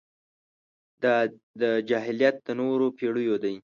دا جاهلیت د نورو پېړيو دی.